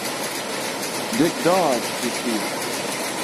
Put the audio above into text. Dick Dodge is here.